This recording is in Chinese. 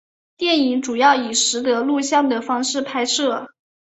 电影主要以拾得录像的方式拍摄。